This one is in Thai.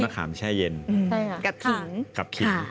มะขาวแช่เย็นกับขิง